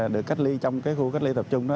được cách ly trong cái khu cách ly tập trung đó